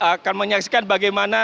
akan menyaksikan bagaimana